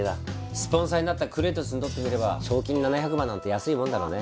スポンサーになったクレイトスにとってみれば賞金７００万なんて安いもんだろうね。